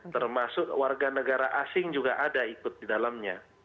termasuk warga negara asing juga ada ikut di dalamnya